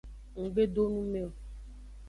Ng gbe do nu me o.